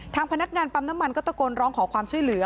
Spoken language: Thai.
พนักงานปั๊มน้ำมันก็ตะโกนร้องขอความช่วยเหลือ